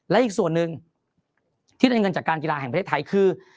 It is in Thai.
และอีกส่วนหนึ่งที่ได้เงินจากการกีฬาแห่งประเทศไทยคือ